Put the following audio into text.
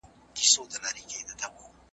هلک د نجلۍ اجتماعي ژوند نه و ارزولی.